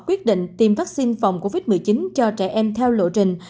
quyết định tiêm vaccine phòng covid một mươi chín cho trẻ em theo lộ trình